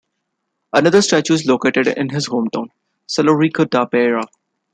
Another statue is located in his hometown, Celorico da Beira.